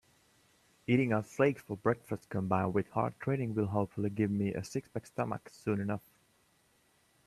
Eating oat flakes for breakfast combined with hard training will hopefully give me a six-pack stomach soon enough.